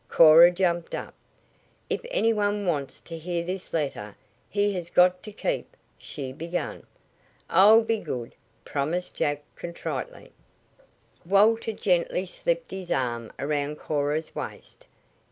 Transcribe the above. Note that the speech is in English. Cora jumped up. "If any one wants to hear this letter he has got to keep " she began. "I'll be good," promised Jack contritely. Walter gently slipped his arm around Cora's waist.